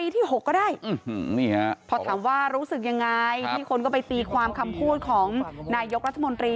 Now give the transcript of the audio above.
ที่คนก็ไปตีความคำพูดของนายกรัฐมนตรี